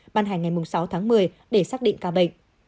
ban hành ngày sáu tháng một mươi để xác định ca bệnh